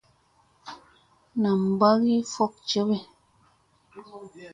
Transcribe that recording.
Nam mba ki fok jewe.